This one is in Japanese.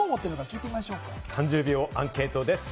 ３０秒アンケートです。